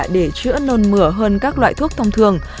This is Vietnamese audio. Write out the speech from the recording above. để chữa nôn mửa hơn các loại thuốc thông thường